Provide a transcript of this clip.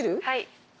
はい。